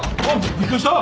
びっくりした！